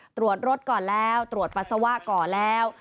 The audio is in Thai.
ตรวจรถก่อนแล้วตรวจปัสสาวะก่อนแล้ว